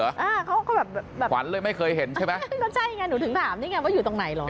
อ่าเขาก็แบบขวัญเลยไม่เคยเห็นใช่ไหมก็ใช่ไงหนูถึงถามนี่ไงว่าอยู่ตรงไหนเหรอ